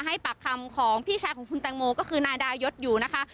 ให้ปากคำของพี่ชายของคุณแตงโมก็คือนายดายศอยู่นะคะ